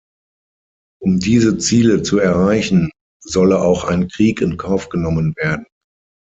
Um diese Ziele zu erreichen, solle auch ein Krieg in Kauf genommen werden.